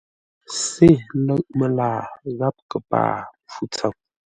Sê ləʼ məlaa gháp kəpaa mpfu tsəm.